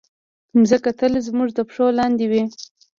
مځکه تل زموږ د پښو لاندې وي.